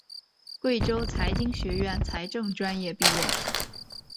贵州财经学院财政专业毕业。